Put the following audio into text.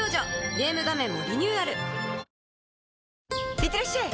いってらっしゃい！